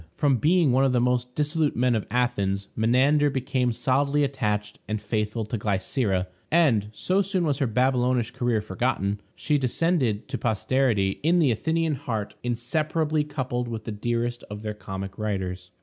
From being one of the most dissolute men of Athens, Menander became solidly attached and faithful to Glycera, and, so soon was her Babylonish career forgotten, she descended to posterity in the Athenian heart inseparably coupled with the dearest of their comic writers.